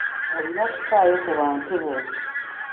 Olina okufaayo ku bantu bo.